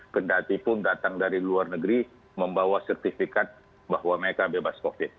kendati pun datang dari luar negeri membawa sertifikat bahwa mereka bebas covid